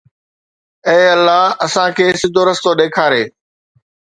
اي الله اسان کي سڌو رستو ڏيکاري